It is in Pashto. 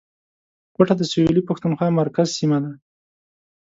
کوټه د سویلي پښتونخوا مرکز سیمه ده